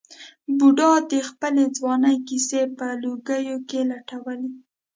بوډا د خپلې ځوانۍ کیسې په لوګیو کې لټولې.